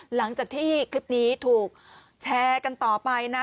หลังจากที่คลิปนี้ถูกแชร์กันต่อไปนะ